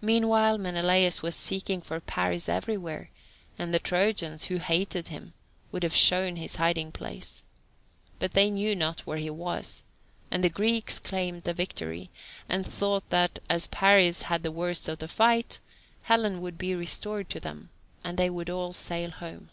Meanwhile Menelaus was seeking for Paris everywhere, and the Trojans, who hated him, would have shown his hiding place. But they knew not where he was, and the Greeks claimed the victory, and thought that, as Paris had the worst of the fight, Helen would be restored to them, and they would all sail home.